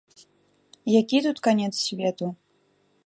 Які тут канец свету.